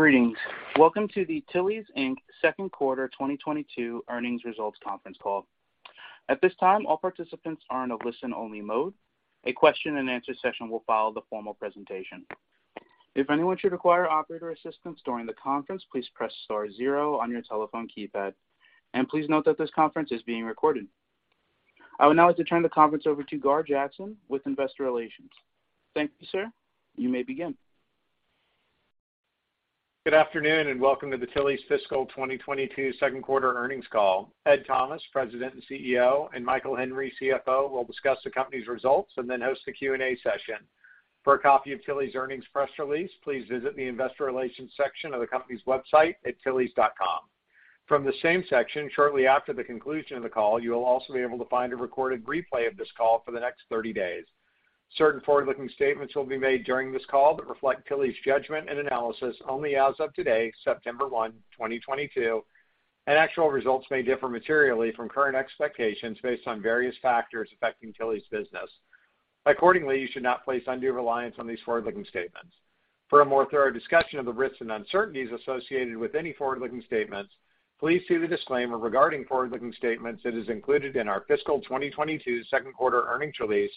Greetings. Welcome to the Tilly's, Inc. Second Quarter 2022 earnings results conference call. At this time, all participants are in a listen-only mode. A question-and-answer session will follow the formal presentation. If anyone should require operator assistance during the conference, please press star zero on your telephone keypad. Please note that this conference is being recorded. I would now like to turn the conference over to Gar Jackson with Investor Relations. Thank you, sir. You may begin. Good afternoon, and welcome to the Tilly's Fiscal 2022 second quarter earnings call. Ed Thomas, President and CEO, and Michael Henry, CFO, will discuss the company's results and then host the Q&A session. For a copy of Tilly's earnings press release, please visit the investor relations section of the company's website at tillys.com. From the same section, shortly after the conclusion of the call, you will also be able to find a recorded replay of this call for the next 30 days. Certain forward-looking statements will be made during this call that reflect Tilly's judgment and analysis only as of today, September 1, 2022, and actual results may differ materially from current expectations based on various factors affecting Tilly's business. Accordingly, you should not place undue reliance on these forward-looking statements. For a more thorough discussion of the risks and uncertainties associated with any forward-looking statements, please see the disclaimer regarding forward-looking statements that is included in our Fiscal 2022 second quarter earnings release,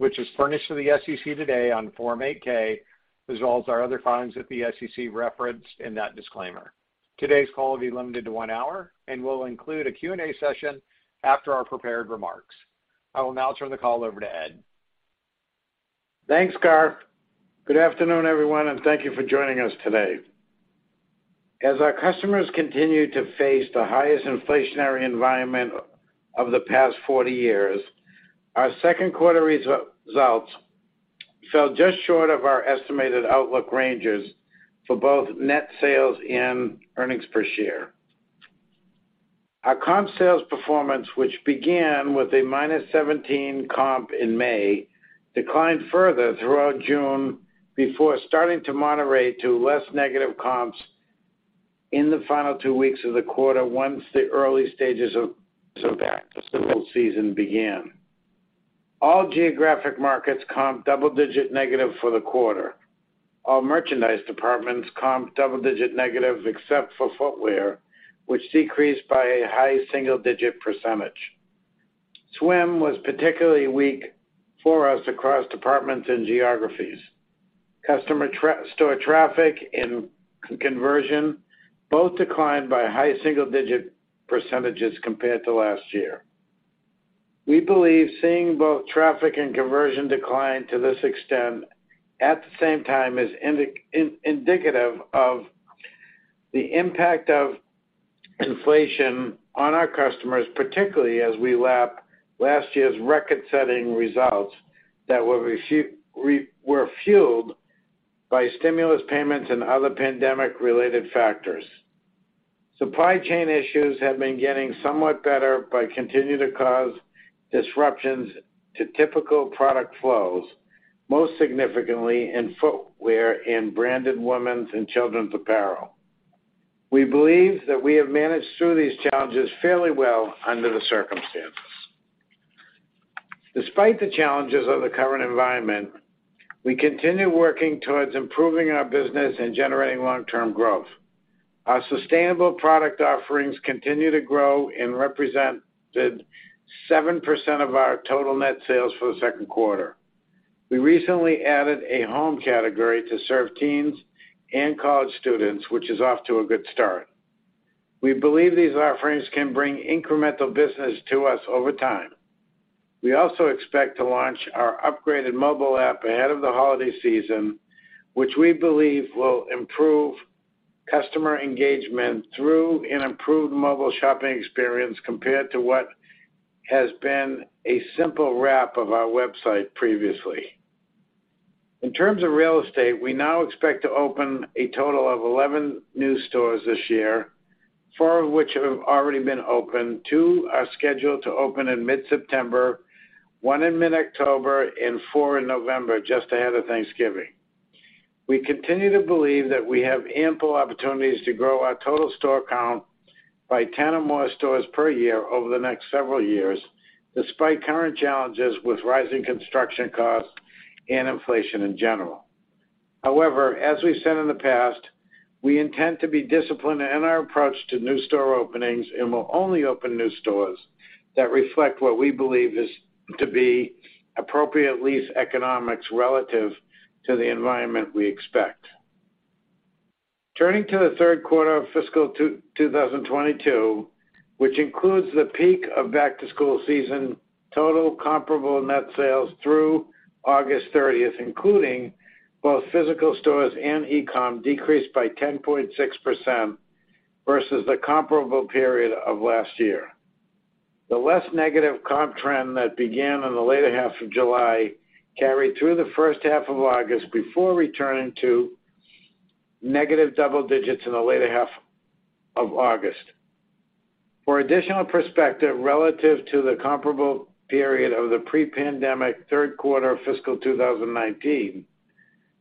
which was furnished to the SEC today on Form 8-K, as well as our other filings with the SEC referenced in that disclaimer. Today's call will be limited to one hour and will include a Q&A session after our prepared remarks. I will now turn the call over to Ed. Thanks, Gar. Good afternoon, everyone, and thank you for joining us today. As our customers continue to face the highest inflationary environment of the past 40 years, our second quarter results fell just short of our estimated outlook ranges for both net sales and earnings per share. Our comp sales performance, which began with a -17 comp in May, declined further throughout June before starting to moderate to less negative comps in the final two weeks of the quarter once the early stages of back-to-school season began. All geographic markets comped double-digit negative for the quarter. All merchandise departments comped double-digit negative except for footwear, which decreased by a high single-digit percentage. Swim was particularly weak for us across departments and geographies. Store traffic and conversion both declined by high single-digit percentages compared to last year. We believe seeing both traffic and conversion decline to this extent at the same time is indicative of the impact of inflation on our customers, particularly as we lap last year's record-setting results that were fueled by stimulus payments and other pandemic-related factors. Supply chain issues have been getting somewhat better, but continue to cause disruptions to typical product flows, most significantly in footwear and branded women's and children's apparel. We believe that we have managed through these challenges fairly well under the circumstances. Despite the challenges of the current environment, we continue working towards improving our business and generating long-term growth. Our sustainable product offerings continue to grow and represented 7% of our total net sales for the second quarter. We recently added a home category to serve teens and college students, which is off to a good start. We believe these offerings can bring incremental business to us over time. We also expect to launch our upgraded mobile app ahead of the holiday season, which we believe will improve customer engagement through an improved mobile shopping experience compared to what has been a simple wrap of our website previously. In terms of real estate, we now expect to open a total of 11 new stores this year, four of which have already been opened, two are scheduled to open in mid-September, 1 in mid-October, and 4 in November just ahead of Thanksgiving. We continue to believe that we have ample opportunities to grow our total store count by 10 or more stores per year over the next several years, despite current challenges with rising construction costs and inflation in general. However, as we've said in the past, we intend to be disciplined in our approach to new store openings and will only open new stores that reflect what we believe is to be appropriate lease economics relative to the environment we expect. Turning to the third quarter of Fiscal 2022, which includes the peak of back-to-school season, total comparable net sales through August 30, including both physical stores and e-com, decreased by 10.6% versus the comparable period of last year. The less negative comp trend that began in the latter half of July carried through the first half of August before returning to negative double digits in the latter half of August. For additional perspective relative to the comparable period of the pre-pandemic third quarter of fiscal 2019,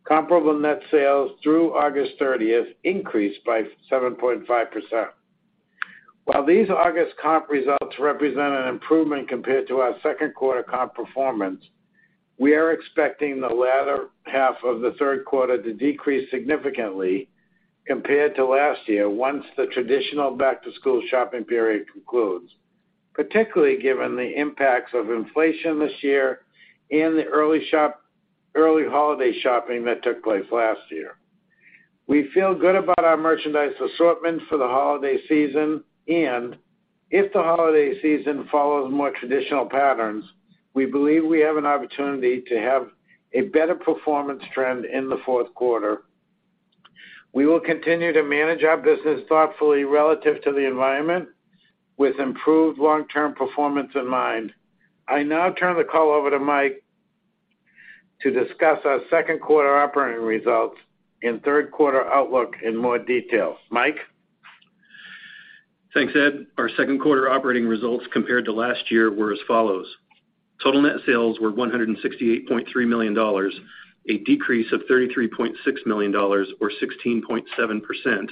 comparable net sales through August 30th increased by 7.5%. While these August comp results represent an improvement compared to our second quarter comp performance, we are expecting the latter half of the third quarter to decrease significantly compared to last year once the traditional back-to-school shopping period concludes, particularly given the impacts of inflation this year and the early holiday shopping that took place last year. We feel good about our merchandise assortment for the holiday season, and if the holiday season follows more traditional patterns, we believe we have an opportunity to have a better performance trend in the fourth quarter. We will continue to manage our business thoughtfully relative to the environment with improved long-term performance in mind. I now turn the call over to Mike to discuss our second quarter operating results and third quarter outlook in more detail. Mike? Thanks, Ed. Our second quarter operating results compared to last year were as follows. Total net sales were $168.3 million, a decrease of $33.6 million or 16.7%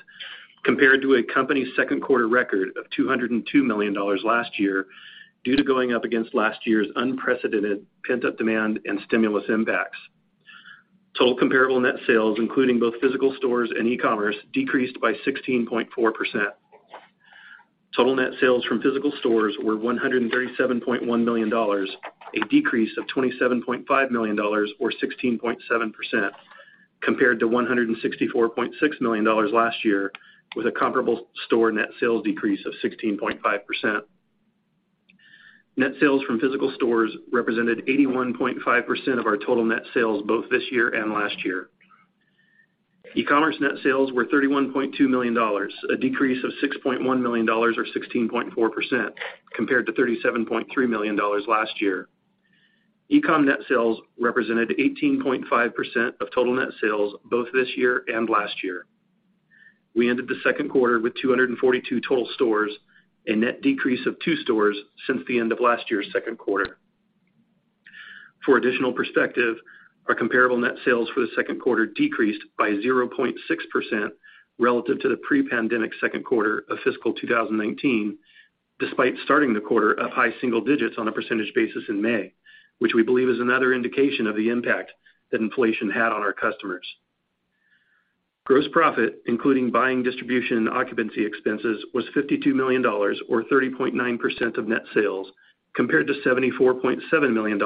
compared to our company's second quarter record of $202 million last year due to going up against last year's unprecedented pent-up demand and stimulus impacts. Total comparable net sales, including both physical stores and e-commerce, decreased by 16.4%. Total net sales from physical stores were $137.1 million, a decrease of $27.5 million or 16.7% compared to $164.6 million last year with a comparable store net sales decrease of 16.5%. Net sales from physical stores represented 81.5% of our total net sales both this year and last year. E-commerce net sales were $31.2 million, a decrease of $6.1 million or 16.4% compared to $37.3 million last year. E-com net sales represented 18.5% of total net sales both this year and last year. We ended the second quarter with 242 total stores, a net decrease of two stores since the end of last year's second quarter. For additional perspective, our comparable net sales for the second quarter decreased by 0.6% relative to the pre-pandemic second quarter of Fiscal 2019, despite starting the quarter up high single digits on a percentage basis in May, which we believe is another indication of the impact that inflation had on our customers. Gross profit, including buying distribution and occupancy expenses, was $52 million, or 30.9% of net sales, compared to $74.7 million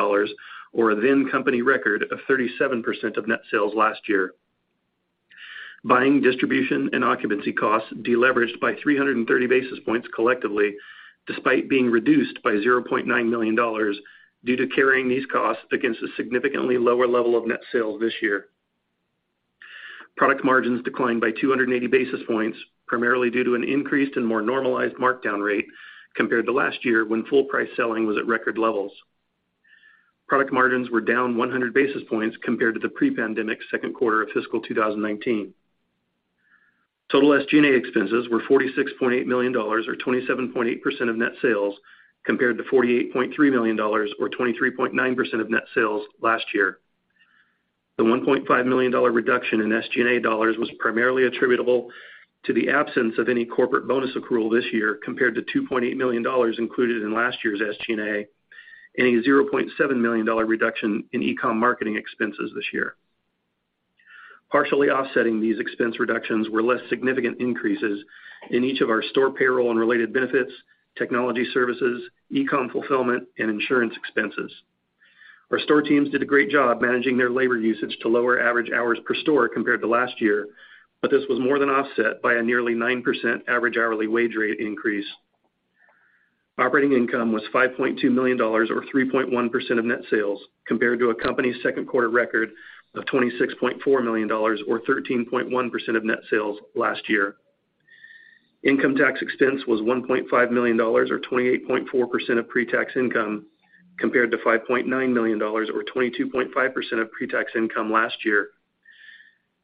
or the company record of 37% of net sales last year. Buying distribution and occupancy costs deleveraged by 330 basis points collectively, despite being reduced by $0.9 million due to carrying these costs against a significantly lower level of net sales this year. Product margins declined by 280 basis points, primarily due to an increased and more normalized markdown rate compared to last year when full price selling was at record levels. Product margins were down 100 basis points compared to the pre-pandemic second quarter of fiscal 2019. Total SG&A expenses were $46.8 million, or 27.8% of net sales, compared to $48.3 million or 23.9% of net sales last year. The $1.5 million reduction in SG&A dollars was primarily attributable to the absence of any corporate bonus accrual this year, compared to $2.8 million included in last year's SG&A, and a $0.7 million reduction in e-com marketing expenses this year. Partially offsetting these expense reductions were less significant increases in each of our store payroll and related benefits, technology services, e-com fulfillment, and insurance expenses. Our store teams did a great job managing their labor usage to lower average hours per store compared to last year, but this was more than offset by a nearly 9% average hourly wage rate increase. Operating income was $5.2 million or 3.1% of net sales, compared to a company's second quarter record of $26.4 million or 13.1% of net sales last year. Income tax expense was $1.5 million or 28.4% of pre-tax income, compared to $5.9 million or 22.5% of pre-tax income last year.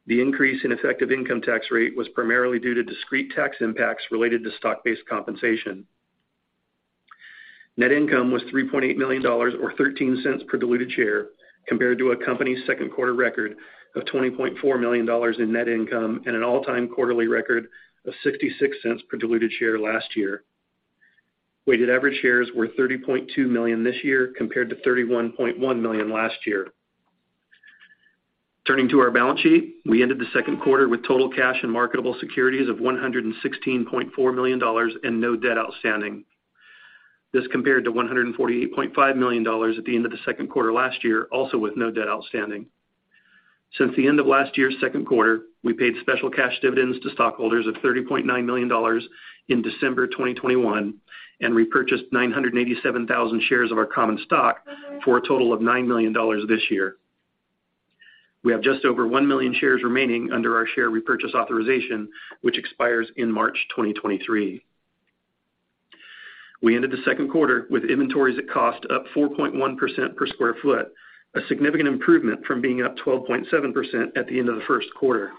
The increase in effective income tax rate was primarily due to discrete tax impacts related to stock-based compensation. Net income was $3.8 million or $0.13 per diluted share, compared to a company's second quarter record of $20.4 million in net income and an all-time quarterly record of $0.66 per diluted share last year. Weighted average shares were 30.2 million this year compared to 31.1 million last year. Turning to our balance sheet, we ended the second quarter with total cash and marketable securities of $116.4 million and no debt outstanding. This compared to $148.5 million at the end of the second quarter last year, also with no debt outstanding. Since the end of last year's second quarter, we paid special cash dividends to stockholders of $30.9 million in December 2021 and repurchased 987,000 shares of our common stock for a total of $9 million this year. We have just over 1 million shares remaining under our share repurchase authorization, which expires in March 2023. We ended the second quarter with inventories at cost up 4.1% per sq ft, a significant improvement from being up 12.7% at the end of the first quarter.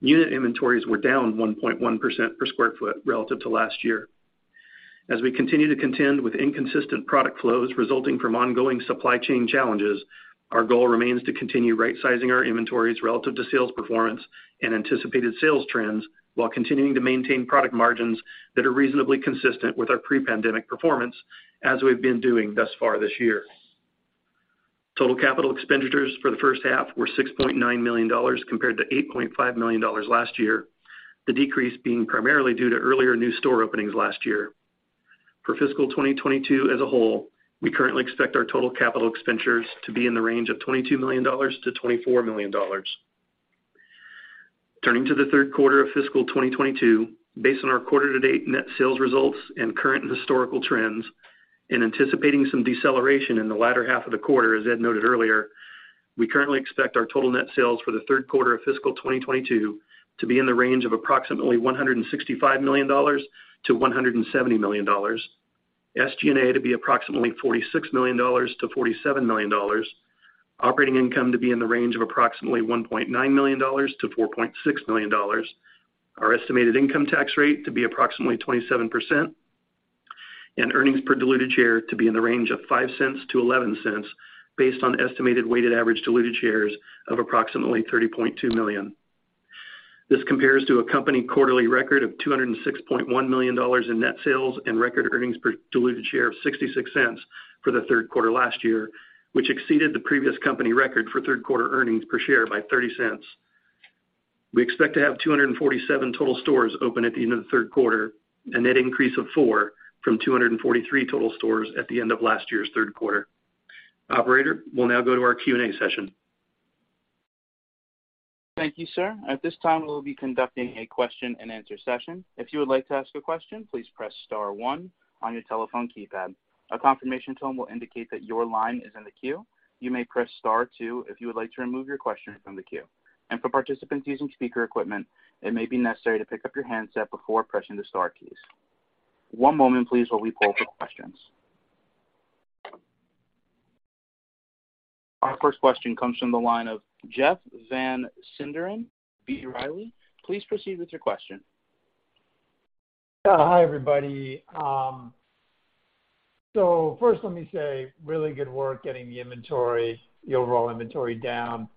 Unit inventories were down 1.1% per sq ft relative to last year. As we continue to contend with inconsistent product flows resulting from ongoing supply chain challenges, our goal remains to continue rightsizing our inventories relative to sales performance and anticipated sales trends while continuing to maintain product margins that are reasonably consistent with our pre-pandemic performance as we've been doing thus far this year. Total capital expenditures for the first half were $6.9 million compared to $8.5 million last year. The decrease being primarily due to earlier new store openings last year. For Fiscal 2022 as a whole, we currently expect our total capital expenditures to be in the range of $22 million-$24 million. Turning to the third quarter of Fiscal 2022, based on our quarter to date net sales results and current historical trends and anticipating some deceleration in the latter half of the quarter, as Ed noted earlier, we currently expect our total net sales for the third quarter of Fiscal 2022 to be in the range of approximately $165 million-$170 million. SG&A to be approximately $46 million-$47 million. Operating income to be in the range of approximately $1.9 million-$4.6 million. Our estimated income tax rate to be approximately 27%, and earnings per diluted share to be in the range of $0.05-$0.11 based on estimated weighted average diluted shares of approximately 30.2 million. This compares to a company quarterly record of $206.1 million in net sales and record earnings per diluted share of $0.66 for the third quarter last year, which exceeded the previous company record for third quarter earnings per share by $0.30. We expect to have 247 total stores open at the end of the third quarter, a net increase of four from 243 total stores at the end of last year's third quarter. Operator, we'll now go to our Q&A session. Thank you, sir. At this time, we will be conducting a question-and-answer session. If you would like to ask a question, please press star one on your telephone keypad. A confirmation tone will indicate that your line is in the queue. You may press star two if you would like to remove your question from the queue. For participants using speaker equipment, it may be necessary to pick up your handset before pressing the star keys. One moment please, while we pull for questions. Our first question comes from the line of Jeff Van Sinderen, B. Riley. Please proceed with your question. Yeah. Hi, everybody. First let me say really good work getting the inventory, the overall inventory down.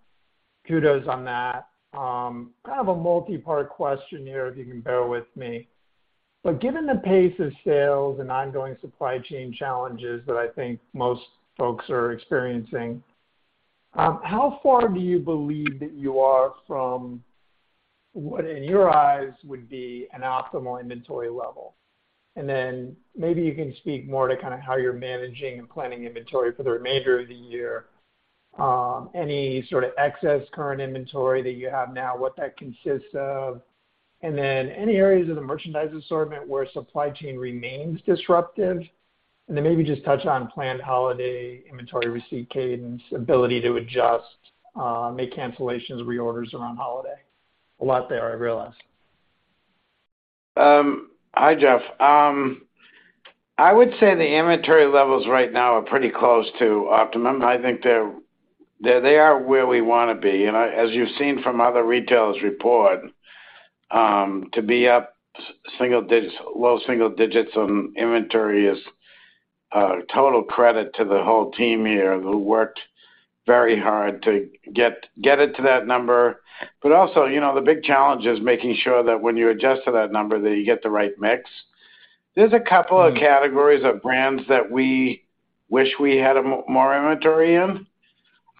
Kudos on that. I have a multipart question here, if you can bear with me. Given the pace of sales and ongoing supply chain challenges that I think most folks are experiencing, how far do you believe that you are from what in your eyes would be an optimal inventory level? And then maybe you can speak more to kind of how you're managing and planning inventory for the remainder of the year. Any sort of excess current inventory that you have now, what that consists of? Then any areas of the merchandise assortment where supply chain remains disruptive? And then maybe just touch on planned holiday inventory receipt cadence, ability to adjust, make cancellations, reorders around holiday. A lot there, I realize. Hi, Jeff. I would say the inventory levels right now are pretty close to optimum. I think they are where we wanna be. You know, as you've seen from other retailers' reports to be up low single digits on inventory is total credit to the whole team here who worked very hard to get it to that number. You know, the big challenge is making sure that when you adjust to that number, that you get the right mix. There's a couple of categories of brands that we wish we had more inventory in.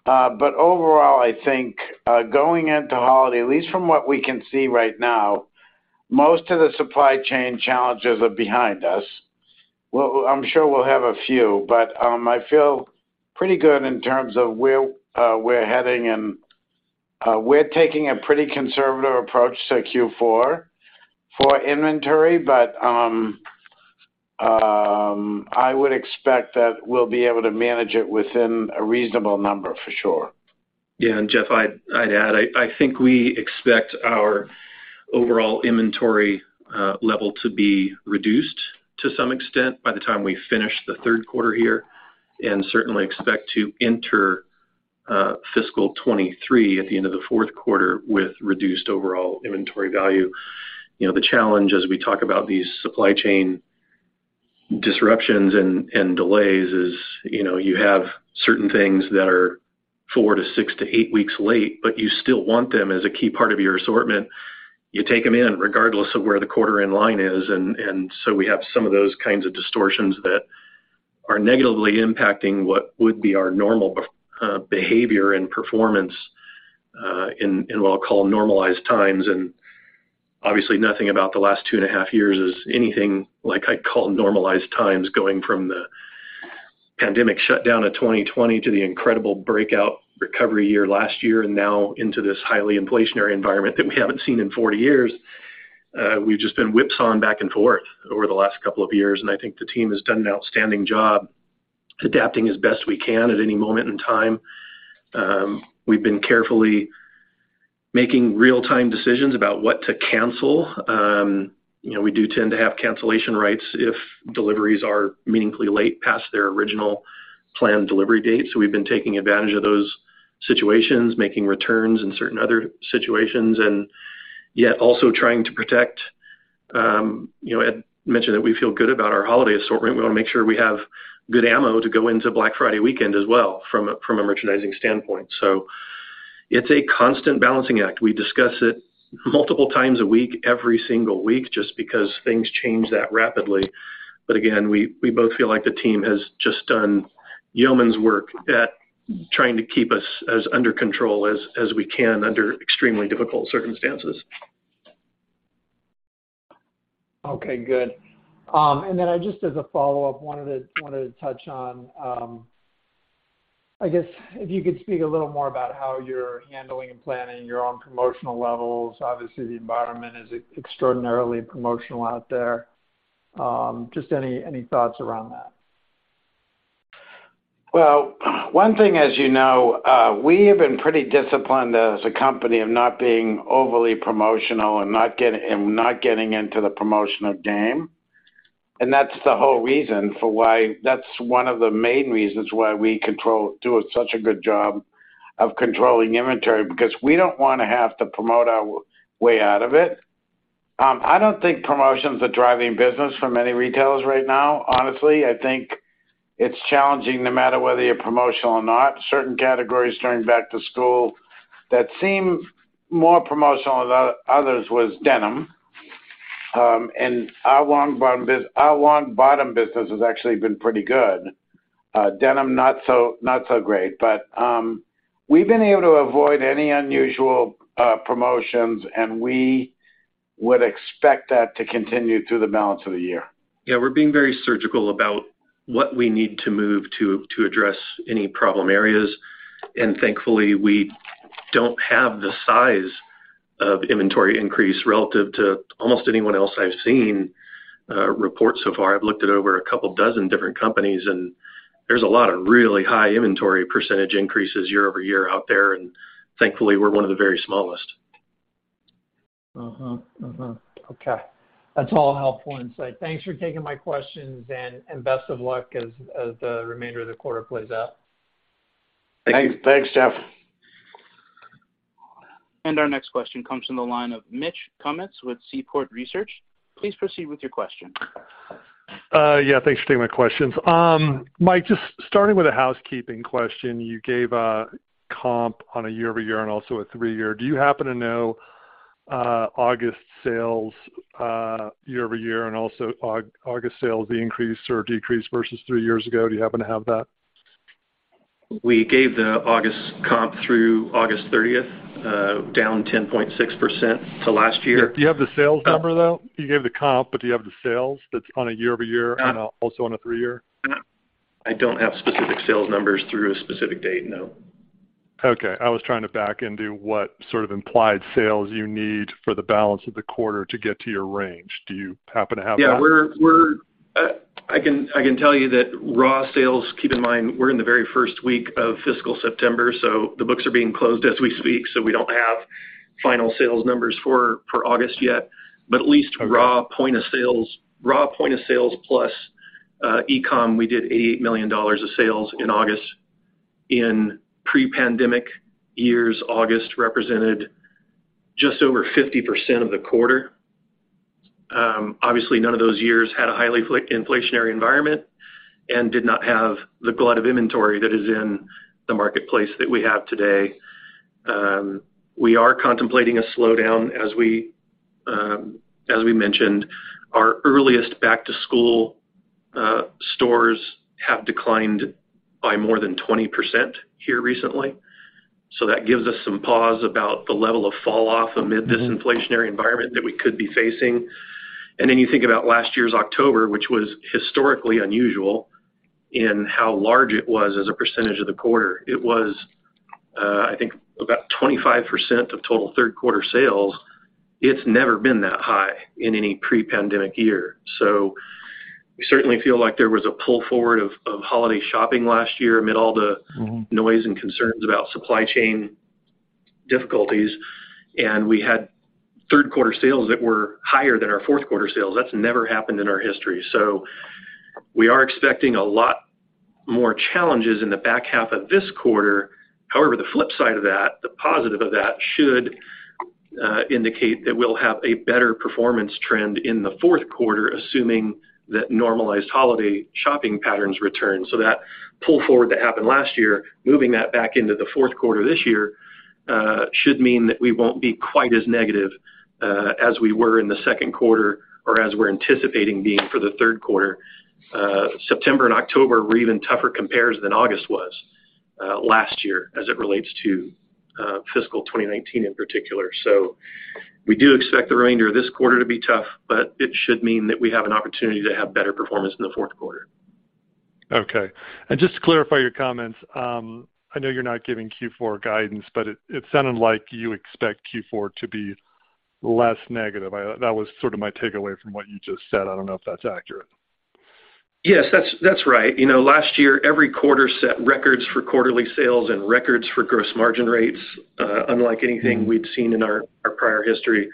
But overall, I think going into holiday, at least from what we can see right now, most of the supply chain challenges are behind us. I'm sure we'll have a few, but I feel pretty good in terms of where we're heading and we're taking a pretty conservative approach to Q4 for inventory. I would expect that we'll be able to manage it within a reasonable number for sure. Yeah. Jeff, I'd add, I think we expect our overall inventory level to be reduced to some extent by the time we finish the third quarter here, and certainly expect to enter Fiscal 2023 at the end of the fourth quarter with reduced overall inventory value. You know, the challenge as we talk about these supply chain disruptions and delays is, you know, you have certain things that are four to six to eight weeks late, but you still want them as a key part of your assortment. You take them in regardless of where the quarter end line is. We have some of those kinds of distortions that are negatively impacting what would be our normal behavior and performance in what I'll call normalized times. Obviously, nothing about the last two and a half years is anything like I'd call normalized times, going from the pandemic shutdown of 2020 to the incredible breakout recovery year last year, and now into this highly inflationary environment that we haven't seen in 40 years. We've just been whipsawed back and forth over the last couple of years, and I think the team has done an outstanding job adapting as best we can at any moment in time. We've been carefully making real-time decisions about what to cancel. You know, we do tend to have cancellation rights if deliveries are meaningfully late past their original planned delivery date. We've been taking advantage of those situations, making returns in certain other situations, and yet also trying to protect. Ed mentioned that we feel good about our holiday assortment. We want to make sure we have good ammo to go into Black Friday weekend as well from a merchandising standpoint. It's a constant balancing act. We discuss it multiple times a week, every single week, just because things change that rapidly. Again, we both feel like the team has just done yeoman's work at trying to keep us as under control as we can under extremely difficult circumstances. Okay, good. I just as a follow-up wanted to touch on, I guess if you could speak a little more about how you're handling and planning your own promotional levels. Obviously, the environment is extraordinarily promotional out there. Just any thoughts around that? Well, one thing as you know, we have been pretty disciplined as a company of not being overly promotional and not getting into the promotional game. That's the whole reason. That's one of the main reasons why we do such a good job of controlling inventory because we don't wanna have to promote our way out of it. I don't think promotions are driving business for many retailers right now. Honestly, I think it's challenging no matter whether you're promotional or not. Certain categories during back-to-school that seem more promotional than others was denim. Our long bottoms business has actually been pretty good. Denim not so, not so great. We've been able to avoid any unusual promotions, and we would expect that to continue through the balance of the year. Yeah, we're being very surgical about what we need to move to address any problem areas. Thankfully, we don't have the size of inventory increase relative to almost anyone else I've seen report so far. I've looked at over a couple dozen different companies, and there's a lot of really high inventory percentage increases year-over-year out there, and thankfully, we're one of the very smallest. Okay. That's all helpful insight. Thanks for taking my questions and best of luck as the remainder of the quarter plays out. Thanks. Thanks, Jeff. Our next question comes from the line of Mitch Kummetz with Seaport Research. Please proceed with your question. Yeah, thanks for taking my questions. Mike, just starting with a housekeeping question. You gave a comp on a year-over-year and also a three-year. Do you happen to know August sales year-over-year and also August sales, the increase or decrease versus three years ago? Do you happen to have that? We gave the August comp through August 30th, down 10.6% to last year. Do you have the sales number, though? You gave the comp, but do you have the sales that's on a year-over-year and also on a three-year? I don't have specific sales numbers through a specific date, no. Okay. I was trying to back into what sort of implied sales you need for the balance of the quarter to get to your range. Do you happen to have that? Yeah. I can tell you that raw sales, keep in mind, we're in the very first week of fiscal September, so the books are being closed as we speak, so we don't have final sales numbers for August yet. At least raw point of sales plus e-com, we did $88 million of sales in August. In pre-pandemic years, August represented just over 50% of the quarter. Obviously, none of those years had a highly inflationary environment and did not have the glut of inventory that is in the marketplace that we have today. We are contemplating a slowdown. As we mentioned, our earliest back-to-school stores have declined by more than 20% here recently. That gives us some pause about the level of fall off amid this inflationary environment that we could be facing. Then you think about last year's October, which was historically unusual in how large it was as a percentage of the quarter. It was, I think about 25% of total third quarter sales. It's never been that high in any pre-pandemic year. We certainly feel like there was a pull forward of holiday shopping last year amid all the. Mm-hmm. Noise and concerns about supply chain difficulties. We had third quarter sales that were higher than our fourth quarter sales. That's never happened in our history. We are expecting a lot more challenges in the back half of this quarter. However, the flip side of that, the positive of that should indicate that we'll have a better performance trend in the fourth quarter, assuming that normalized holiday shopping patterns return. That pull forward that happened last year, moving that back into the fourth quarter this year, should mean that we won't be quite as negative as we were in the second quarter or as we're anticipating being for the third quarter. September and October were even tougher comps than August was last year as it relates to Fiscal 2019 in particular. We do expect the remainder of this quarter to be tough, but it should mean that we have an opportunity to have better performance in the fourth quarter. Okay. Just to clarify your comments, I know you're not giving Q4 guidance, but it sounded like you expect Q4 to be less negative. That was sort of my takeaway from what you just said. I don't know if that's accurate. Yes, that's right. You know, last year, every quarter set records for quarterly sales and records for gross margin rates, unlike anything we'd seen in our prior history.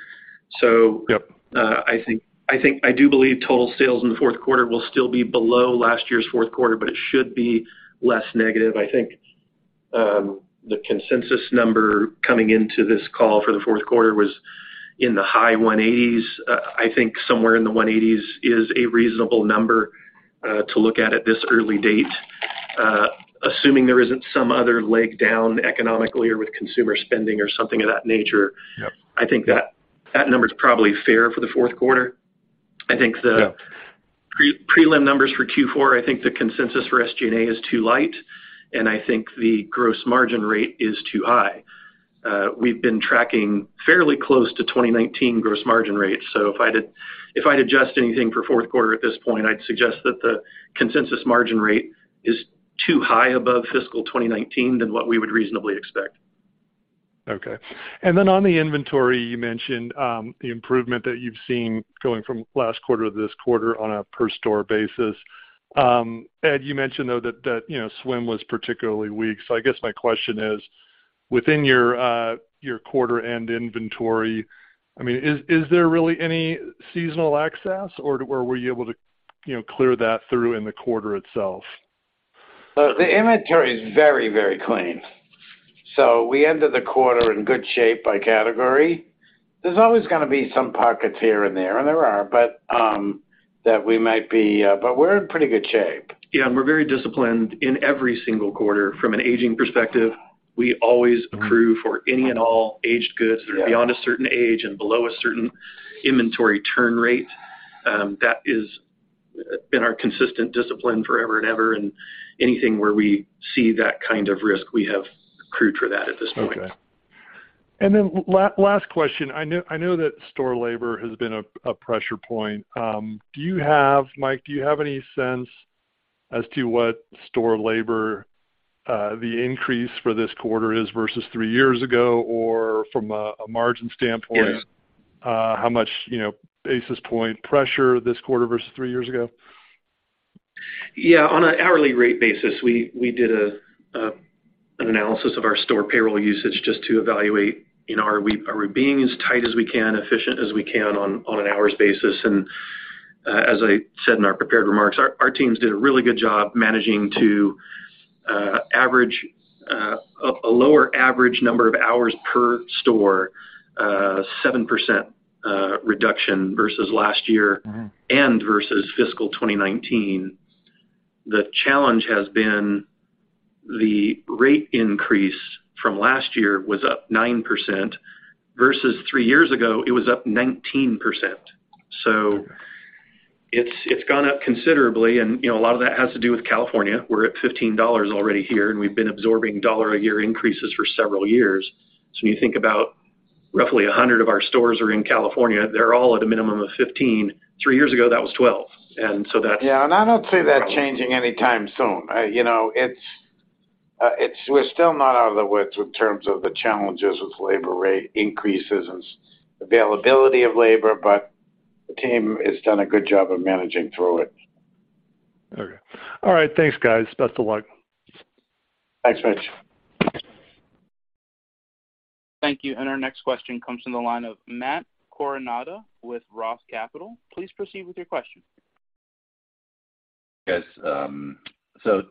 Yep. I think I do believe total sales in the fourth quarter will still be below last year's fourth quarter, but it should be less negative. I think the consensus number coming into this call for the fourth quarter was in the high $180s. I think somewhere in the $180s is a reasonable number to look at at this early date. Assuming there isn't some other leg down economically or with consumer spending or something of that nature. Yep. I think that number is probably fair for the fourth quarter. Yeah. I think the pre-prelim numbers for Q4, I think the consensus for SG&A is too light, and I think the gross margin rate is too high. We've been tracking fairly close to 2019 gross margin rates. If I'd adjust anything for fourth quarter at this point, I'd suggest that the consensus margin rate is too high above fiscal 2019 than what we would reasonably expect. Okay. On the inventory, you mentioned the improvement that you've seen going from last quarter to this quarter on a per store basis. Ed, you mentioned, though, that you know, swim was particularly weak. I guess my question is, within your your quarter end inventory, I mean, is there really any seasonal excess, or were you able to, you know, clear that through in the quarter itself? Well, the inventory is very, very clean. We ended the quarter in good shape by category. There's always gonna be some pockets here and there, and there are, but we're in pretty good shape. Yeah. We're very disciplined in every single quarter from an aging perspective. We always accrue for any and all aged goods that are beyond a certain age and below a certain inventory turn rate. That's been our consistent discipline forever and ever. Anything where we see that kind of risk, we have accrued for that at this point. Okay. Last question. I know that store labor has been a pressure point. Do you have, Mike, do you have any sense as to what store labor the increase for this quarter is versus three years ago? Or from a margin standpoint? Yeah. How much, you know, basis point pressure this quarter versus three years ago? Yeah. On an hourly rate basis, we did an analysis of our store payroll usage just to evaluate, you know, are we being as tight as we can, efficient as we can on an hours basis? As I said in our prepared remarks, our teams did a really good job managing to average a lower average number of hours per store, 7% reduction versus last year. Mm-hmm. Versus Fiscal 2019. The challenge has been the rate increase from last year was up 9% versus three years ago, it was up 19%. It's gone up considerably and, you know, a lot of that has to do with California. We're at $15 already here, and we've been absorbing $1 a year increases for several years. So when you think about roughly 100 of our stores are in California, they're all at a minimum of $15. Three years ago, that was $12. Yeah. I don't see that changing anytime soon. You know, we're still not out of the woods in terms of the challenges with labor rate increases and availability of labor, but the team has done a good job of managing through it. Okay. All right. Thanks, guys. Best of luck. Thanks, Mitch. Thank you. Our next question comes from the line of Matt Koranda with ROTH Capital. Please proceed with your question. Yes.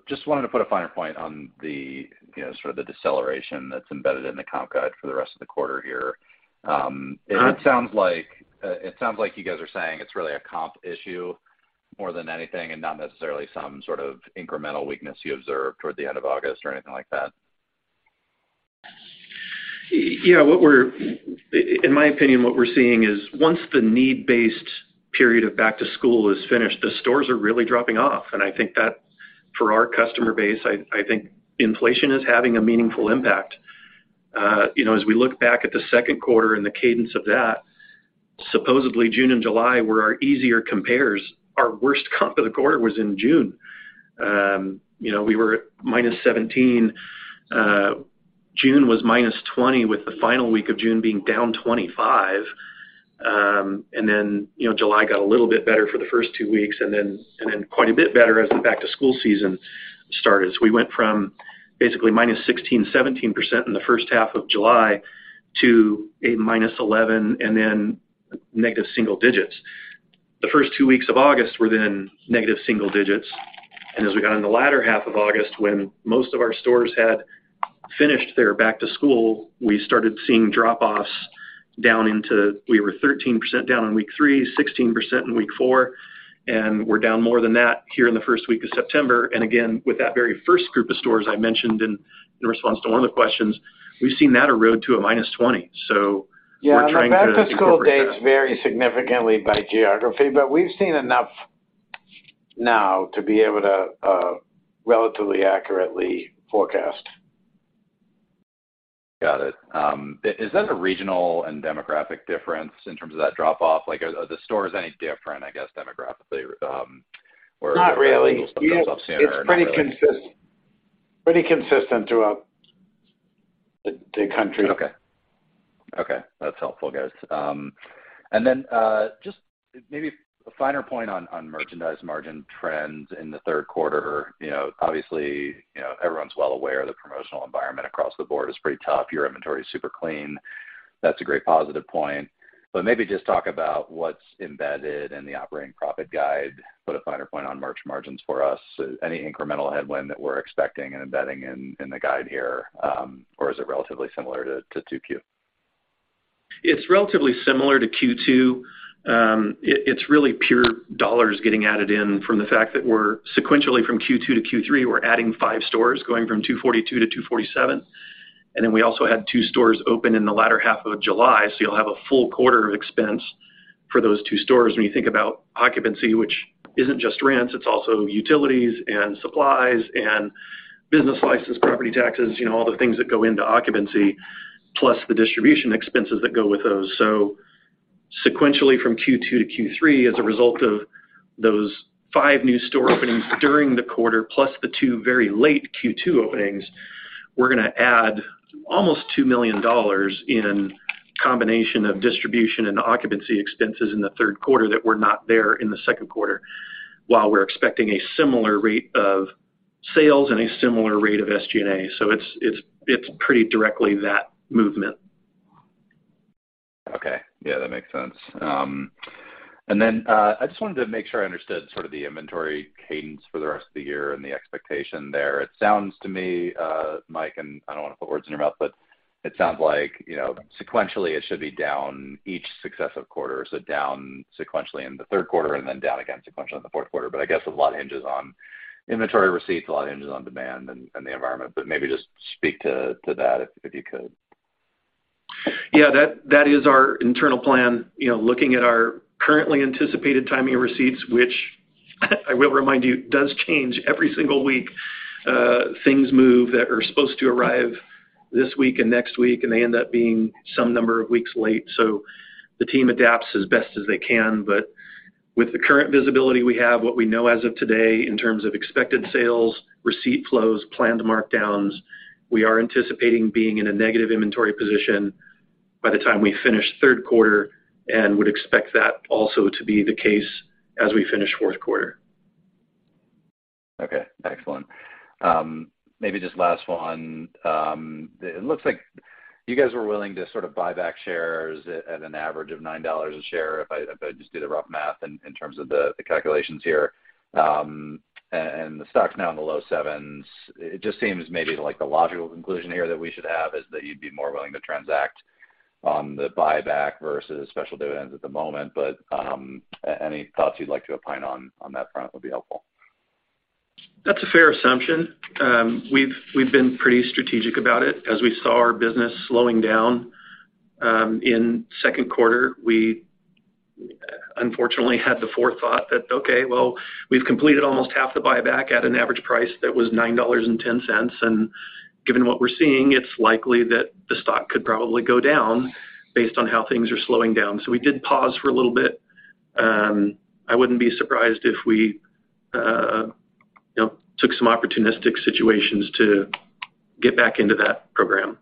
Just wanted to put a finer point on the, you know, sort of the deceleration that's embedded in the comp guide for the rest of the quarter here. It sounds like you guys are saying it's really a comp issue more than anything and not necessarily some sort of incremental weakness you observed toward the end of August or anything like that. Yeah. In my opinion, what we're seeing is once the need-based period of back-to-school is finished, the stores are really dropping off. I think that for our customer base, I think inflation is having a meaningful impact. You know, as we look back at the second quarter and the cadence of that, supposedly June and July were our easier comps. Our worst comp of the quarter was in June. You know, we were at -17%. June was -20%, with the final week of June being down -25%. You know, July got a little bit better for the first two weeks and then quite a bit better as the back-to-school season started. We went from basically -16%, -17% in the first half of July to a -11% and then negative single digits. The first two weeks of August were then negative single digits. As we got in the latter half of August when most of our stores had finished their back-to-school, we started seeing drop-offs down into. We were 13% down in week three, 16% in week four, and we're down more than that here in the first week of September. Again, with that very first group of stores I mentioned in response to one of the questions, we've seen that erode to a -20%. We're trying to. Yeah. The back-to-school dates vary significantly by geography, but we've seen enough now to be able to relatively accurately forecast. Got it. Is that a regional and demographic difference in terms of that drop off? Like, are the stores any different, I guess, demographically, where- Not really. Stuff comes off sooner or not really? It's pretty consistent throughout the country. Okay. Okay, that's helpful, guys. Just maybe a finer point on merchandise margin trends in the third quarter. You know, obviously, you know, everyone's well aware the promotional environment across the board is pretty tough. Your inventory is super clean. That's a great positive point. Maybe just talk about what's embedded in the operating profit guide. Put a finer point on merch margins for us, any incremental headwind that we're expecting and embedding in the guide here, or is it relatively similar to 2Q? It's relatively similar to Q2. It's really pure dollars getting added in from the fact that we're sequentially from Q2 to Q3, we're adding five stores going from 242 to 247. We also had two stores open in the latter half of July, so you'll have a full quarter of expense for those two stores when you think about occupancy, which isn't just rents, it's also utilities and supplies and business license, property taxes, you know, all the things that go into occupancy, plus the distribution expenses that go with those. Sequentially from Q2 to Q3 as a result of those five new store openings during the quarter, plus the two very late Q2 openings, we're gonna add almost $2 million in combination of distribution and occupancy expenses in the third quarter that were not there in the second quarter, while we're expecting a similar rate of sales and a similar rate of SG&A. It's pretty directly that movement. Okay. Yeah, that makes sense. I just wanted to make sure I understood sort of the inventory cadence for the rest of the year and the expectation there. It sounds to me, Mike, and I don't wanna put words in your mouth, but it sounds like, you know, sequentially, it should be down each successive quarter. Down sequentially in the third quarter, and then down again sequentially in the fourth quarter. I guess a lot hinges on inventory receipts, a lot hinges on demand and the environment. Maybe just speak to that if you could. Yeah, that is our internal plan. You know, looking at our currently anticipated timing receipts, which I will remind you, does change every single week. Things move that are supposed to arrive this week and next week, and they end up being some number of weeks late, so the team adapts as best as they can. With the current visibility we have, what we know as of today in terms of expected sales, receipt flows, planned markdowns, we are anticipating being in a negative inventory position by the time we finish third quarter and would expect that also to be the case as we finish fourth quarter. Okay, excellent. Maybe just last one. It looks like you guys were willing to sort of buy back shares at an average of $9 a share, if I just do the rough math in terms of the calculations here. The stock's now in the low $7s. It just seems maybe like the logical conclusion here that we should have is that you'd be more willing to transact on the buyback versus special dividends at the moment. Any thoughts you'd like to opine on that front would be helpful. That's a fair assumption. We've been pretty strategic about it. As we saw our business slowing down in second quarter, we unfortunately had the forethought that, okay, well, we've completed almost half the buyback at an average price that was $9.10, and given what we're seeing, it's likely that the stock could probably go down based on how things are slowing down. We did pause for a little bit. I wouldn't be surprised if we, you know, took some opportunistic situations to get back into that program.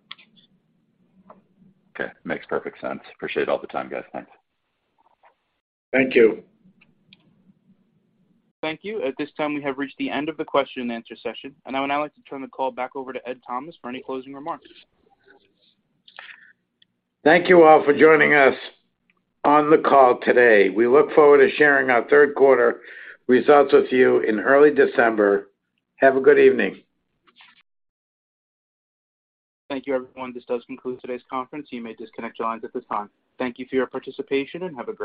Okay. Makes perfect sense. Appreciate all the time, guys. Thanks. Thank you. Thank you. At this time, we have reached the end of the question-and-answer session, and I would now like to turn the call back over to Ed Thomas for any closing remarks. Thank you all for joining us on the call today. We look forward to sharing our third quarter results with you in early December. Have a good evening. Thank you, everyone. This does conclude today's conference. You may disconnect your lines at this time. Thank you for your participation, and have a great day.